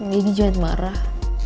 daddy jangan marah